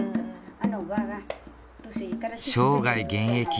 生涯現役。